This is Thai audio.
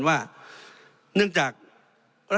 เพราะฉะนั้นโทษเหล่านี้มีทั้งสิ่งที่ผิดกฎหมายใหญ่นะครับ